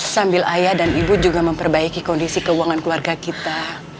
sambil ayah dan ibu juga memperbaiki kondisi keuangan keluarga kita